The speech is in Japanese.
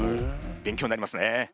勉強になりますね。